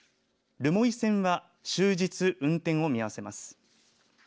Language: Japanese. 留萌線は終日運転を見合わせます。